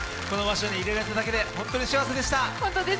この場所にいられただけで本当に幸せでした。